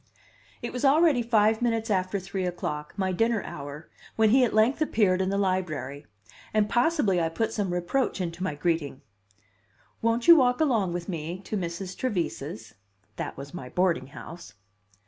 It was already five minutes after three o'clock, my dinner hour, when he at length appeared in the Library; and possibly I put some reproach into my greeting: "Won't you walk along with me to Mrs. Trevise's?" (That was my boarding house.)